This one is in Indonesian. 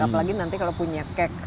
apalagi nanti kalau punya cak